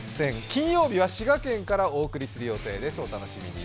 金曜日は滋賀県からお送りする予定です、お楽しみに。